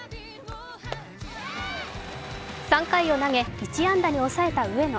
３回を投げ、１安打に抑えた上野。